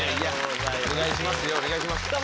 お願いします。